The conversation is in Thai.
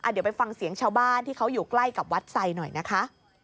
เดี๋ยวไปฟังเสียงชาวบ้านที่เขาอยู่ใกล้กับวัดไซดหน่อยนะคะ